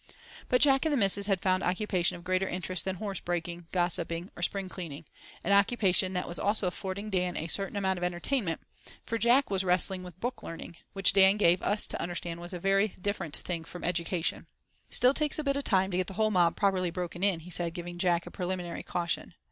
But Jack and the missus had found occupation of greater interest than horse breaking, gossiping, or spring cleaning—an occupation that was also affording Dan a certain amount of entertainment, for Jack was "wrestling with book learning," which Dan gave us to understand was a very different thing from "education." "Still it takes a bit of time to get the whole mob properly broken in," he said, giving Jack a preliminary caution.